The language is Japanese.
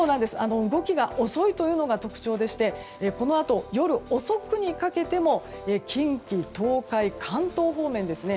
動きが遅いのが特徴でしてこのあと夜遅くにかけても近畿・東海、関東方面ですね。